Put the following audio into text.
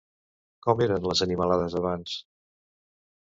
Com eren les animalades abans?